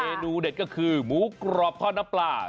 เนนูเด็ดก็คือหมูกรอบทอดน้ำปลา